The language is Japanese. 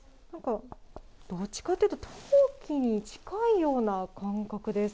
どっちかというと陶器に近いような感覚です。